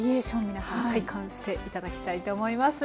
皆さん体感して頂きたいと思います。